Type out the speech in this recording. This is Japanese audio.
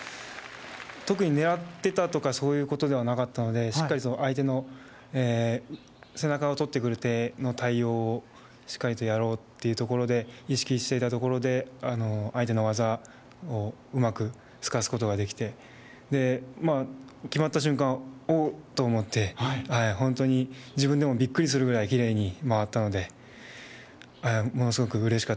特に狙ってたとかそういうことではなかったので、しっかり相手の背中を取ってくれての対応をしっかりとやろうというところで、意識していたところで、相手の技をうまく透かすことができて、決まった瞬間、おっと思って、本当に自分でもびっくりするくらいきれいに回ったので、もの